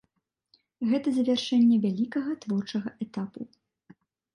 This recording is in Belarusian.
Гэта завяршэнне вялікага творчага этапу.